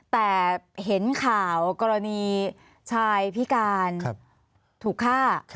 แต่เห็นข่าวกรณีชายพิการถูกฆ่า